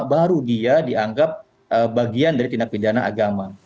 baru dia dianggap bagian dari tindak pidana agama